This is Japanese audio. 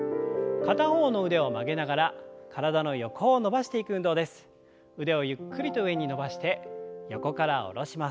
片方の腕を曲げながら体の横を伸ばします。